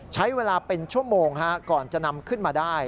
ใช้เวลาเป็นชั่วโมงก่อนจะนำขึ้นมาได้